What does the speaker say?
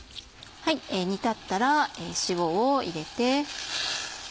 煮立ったら塩を入れて。